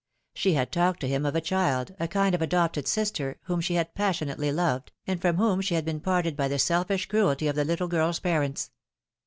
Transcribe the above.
She had talked to him of a child, a kind of adopted sister, whom she had passionately loved, and from whom she had been parted by the selfish cruelty of the little girl's parents.